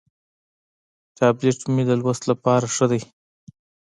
ټابلیټ مې د لوست لپاره ښه دی.